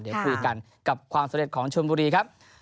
เดี๋ยวคุยกันกับความสำเร็จของชนบุรีครับ